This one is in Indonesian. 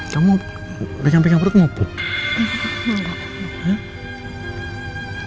kamu udah nyampe ngabrut mau puke